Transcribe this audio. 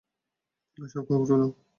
সব কাপড় খুলো।